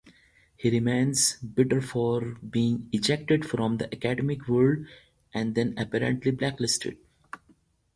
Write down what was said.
He remained bitter for being ejected from the academic world and then apparently blacklisted.